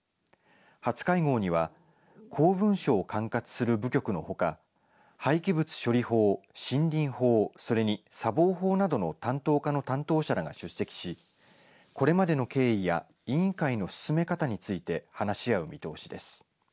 初会合には公文書を管轄する部局のほか廃棄物処理法、森林法それに砂防法などの担当課の担当者らが出席しこれまでの経緯や委員会の進め方について話し合う見通しです。